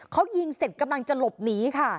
เขายิงเสร็จกำลังจะหลบหนีค่ะ